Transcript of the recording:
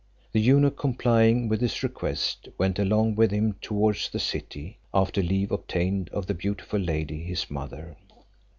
The eunuch complying with his request, went along with him towards the city, after leave obtained of the beautiful lady his mother.